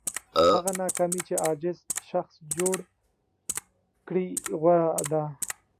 هغه ناکامي چې عاجز شخص جوړ کړي غوره ده.